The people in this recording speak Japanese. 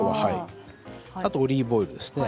あとオリーブオイルですね。